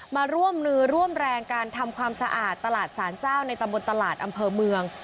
มาร่วมมือร่วมแรงการทำความสะอาดตลาดสารเจ้าในตำบลตลาดอำเภอเมือง